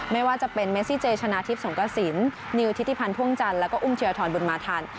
ไม่ว่าจะเป็นเมซิเจชนะทิพย์สงกระสินนิวทิติพันธ์พ่วงจันทร์แล้วก็อุ้มเทียทรบุญมาทัน